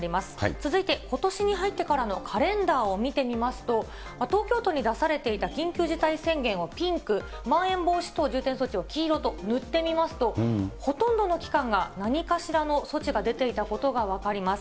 続いて、ことしに入ってからのカレンダーを見てみますと、東京都に出されていた緊急事態宣言をピンク、まん延防止等重点措置は黄色と塗ってみますと、ほとんどの期間が何かしらの措置が出ていたことが分かります。